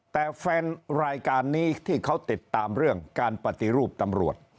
แต่แฟนรายการนี้ที่เขาติดตามเรื่องการปฏิรูปตำรวจ